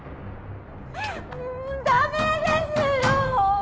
もうダメですよ。